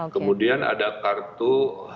kemudian ada kartu